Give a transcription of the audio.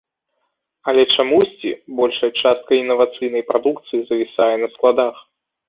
Але чамусьці большая частка інавацыйнай прадукцыі завісае на складах.